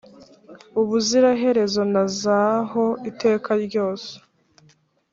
Ubuziraherezonazaaho iteka ryose